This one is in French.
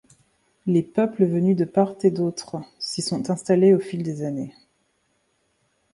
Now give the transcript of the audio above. Les peuples venus de part et d'autres s’y sont installés au fil des années.